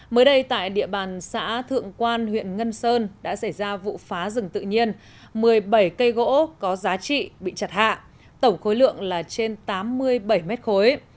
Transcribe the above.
mới đây tại địa bàn xã thượng quan huyện ngân sơn đã xảy ra vụ phá rừng tự nhiên một mươi bảy cây gỗ có giá trị bị chặt hạ tổng khối lượng là trên tám mươi bảy mét khối